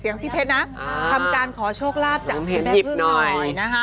พี่เพชรนะทำการขอโชคลาภจากแม่พึ่งหน่อยนะคะ